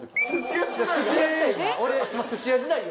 俺の寿司屋時代の。